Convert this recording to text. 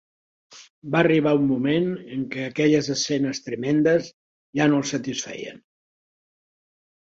Va arribar un moment en què aquelles escenes tremendes ja no el satisfeien.